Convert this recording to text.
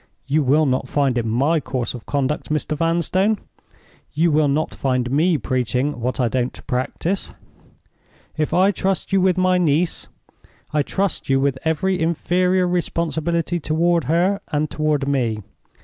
You will not find it my course of conduct, Mr. Vanstone—you will not find me preaching what I don't practice. If I trust you with my niece, I trust you with every inferior responsibility toward her and toward me.